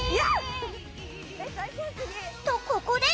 とここで！